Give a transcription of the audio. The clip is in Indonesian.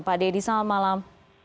pak dedion selamat malam